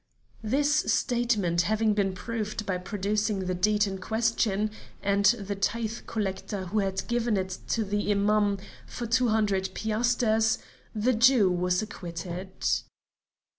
This statement having been proved by producing the deed in question, and the tithe collector who had given it to the Imam for two hundred piasters, the Jew was acquitted.